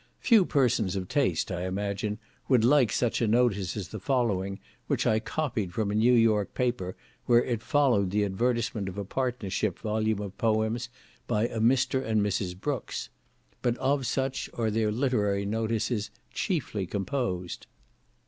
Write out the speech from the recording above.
Few persons of taste, I imagine, would like such notice as the following, which I copied from a New York paper, where it followed the advertisement of a partnership volume of poems by a Mr, and Mrs. Brooks; but of such, are their literary notices chiefly composed.